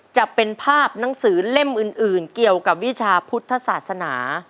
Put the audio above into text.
จะเป็นภาพหนังสือเล่มอื่นเกี่ยวกับวิชาพุทธศาสนา